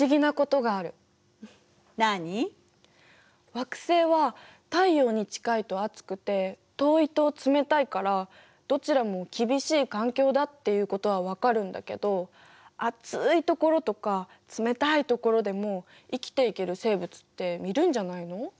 惑星は太陽に近いと熱くて遠いと冷たいからどちらも厳しい環境だっていうことは分かるんだけど熱いところとか冷たいところでも生きていける生物っているんじゃないの？